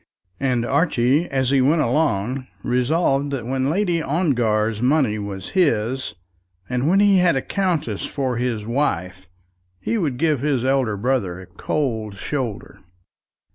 And Archie, as he went along, resolved that when Lady Ongar's money was his, and when he had a countess for his wife, he would give his elder brother a cold shoulder.